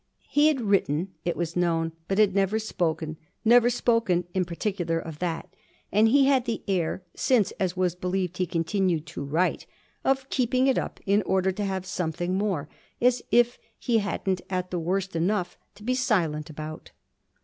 He had 'written', it was known, but had never spoken, never spoken in particular of that; and he had the air (since, as was believed, he continued to write) of keeping it up in order to have something more as if he hadn't at the worst enough to be silent about.